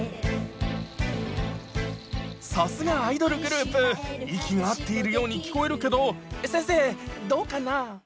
さすがアイドルグループ息が合っているように聴こえるけど先生どうかな？